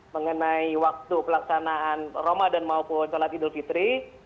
mengenai waktu pelaksanaan ramadan maupun sholat idul fitri